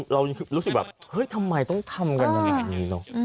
เรารู้สึกแบบทำไมต้องทำกันอย่างนี้